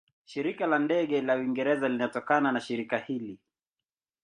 Shirika la Ndege la Uingereza linatokana na shirika hili.